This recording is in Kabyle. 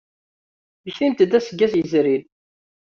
Mmektimt-d aseggas yezrin.